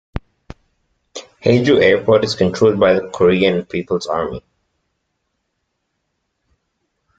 Haeju Airport is controlled by the Korean People's Army.